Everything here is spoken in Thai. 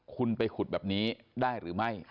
คุณไปขุดแบบนี้ได้หรือไม่